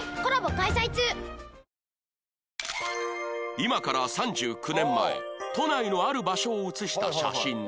今から３９年都内のある場所を写した写真